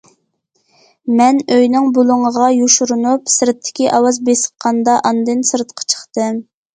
مەن ئۆينىڭ بۇلۇڭىغا يوشۇرۇنۇپ، سىرتتىكى ئاۋاز بېسىققاندا ئاندىن سىرتقا چىقتىم.